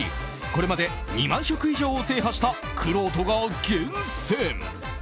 これまで２万食以上を制覇したくろうとが厳選。